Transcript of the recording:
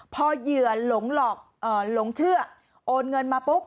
พอเหยื่อหลงเชื่อโอนเงินมาปุ๊บ